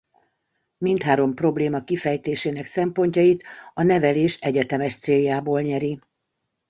Mindhárom probléma kifejtésének szempontjait a nevelés egyetemes céljából nyeri.